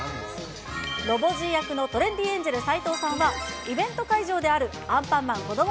ロボじい役のトレンディエンジェル・斎藤さんは、イベント会場であるアンパンマンこども